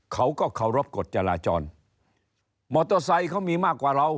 เขาก็เคารพกฎจราจรมอเตอร์ไซค์เขามีมากกว่าเรา